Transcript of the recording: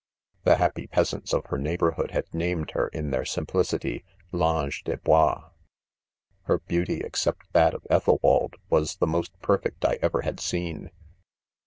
The happy peasants of her. neighborhood had named her in their simplicity, ■" Vange des bois^ Her beauty, except that of Ethelwald, was the most perfect I ever had seen.